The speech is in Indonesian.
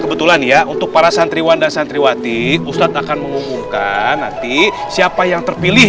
kebetulan ya untuk para santri wanda santriwati ustadz akan mengumumkan nanti siapa yang terpilih